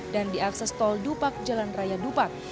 dan di akses tol dupak jalan raya dupak